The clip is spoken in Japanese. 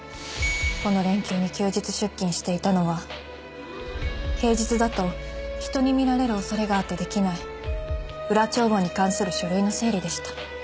この連休に休日出勤していたのは平日だと人に見られる恐れがあってできない裏帳簿に関する書類の整理でした。